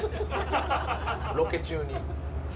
ロケ中に。